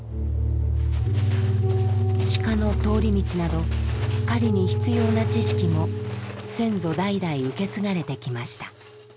鹿の通り道など狩りに必要な知識も先祖代々受け継がれてきました。